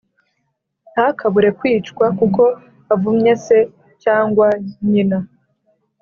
ntakabure kwicwa kuko avumye se cyangwa nyina